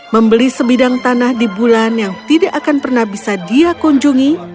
membeli sebidang tanah di bulan yang tidak akan pernah bisa dia kunjungi